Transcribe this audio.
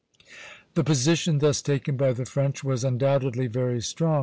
" The position thus taken by the French was undoubtedly very strong.